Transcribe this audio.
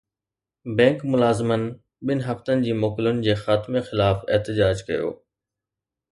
bank ملازمن ٻن هفتن جي موڪلن جي خاتمي خلاف احتجاج ڪيو